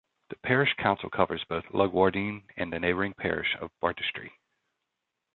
The parish council covers both Lugwardine and the neighbouring parish of Bartestree.